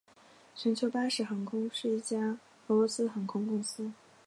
全球巴士航空是一家俄罗斯航空公司。